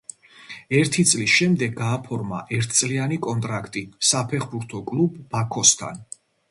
ერთი წლის შემდეგ გააფორმა ერთწლიანი კონტრაქტი საფეხბურთო კლუბ „ბაქოსთან“.